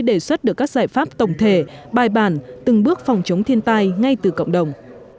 đề xuất được các giải pháp tổng thể bài bản từng bước phòng chống thiên tai ngay từ cộng đồng